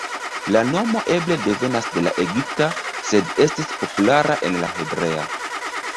La nomo eble devenas de la egipta, sed estis populara en la hebrea.